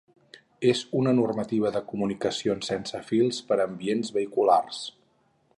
És una normativa de comunicacions sense fils per ambients vehiculars.